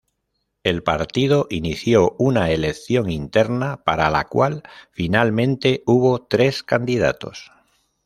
El partido inició una elección interna para la cual finalmente hubo tres candidatos.